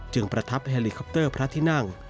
ประทับแฮลิคอปเตอร์พระที่นั่ง